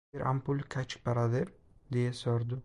"Bir ampul kaç paradır?" diye sordu.